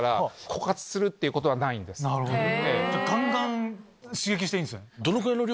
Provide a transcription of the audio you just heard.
じゃあガンガン刺激していいんですね。